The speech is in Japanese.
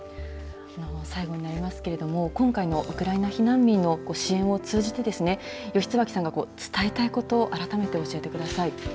最後になりますけれども、今回のウクライナ避難民の支援を通じて、吉椿さんが伝えたいこと、改めて教えてください。